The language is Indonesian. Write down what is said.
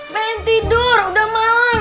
main tidur udah malem